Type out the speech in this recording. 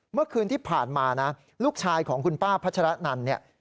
เมื่อคืนที่ผ่านมานะลูกชายของคุณป้าพัชรนันเนี่ย